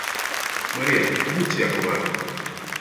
Мария, будьте аккуратна.